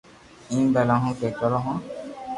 ايم ڀلا ھون ڪو ڪرو ھون